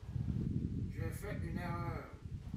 J’ai fait une erreur.